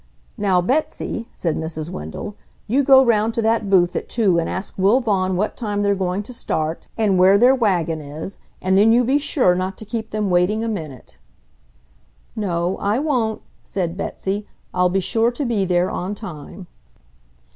"Now, Betsy," said Mrs. Wendell, "you go round to that booth at two and ask Will Vaughan what time they're going to start and where their wagon is, and then you be sure not to keep them waiting a minute." "No, I won't," said Betsy. "I'll be sure to be there on time."